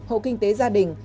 hộ kinh tế gia đình